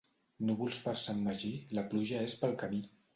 Núvols per Sant Magí, la pluja és pel camí.